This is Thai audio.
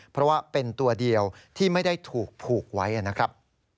เพราะว่าเป็นตัวเดียวที่ไม่ได้ถูกผูกไว้นะครับ